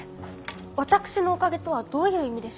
私のおかげとはどういう意味でしょう？